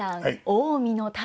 近江の旅。